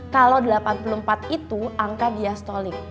kalau delapan puluh empat itu angka diastolik